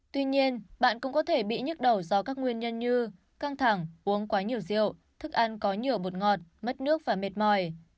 tuy nhiên bạn cũng có thể bị nhức đỏ do các nguyên nhân như căng thẳng uống quá nhiều rượu thức ăn có nhiều bột ngọt mất nước và mệt mỏi